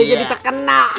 kita jadi terkenal